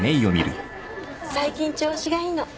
最近調子がいいの。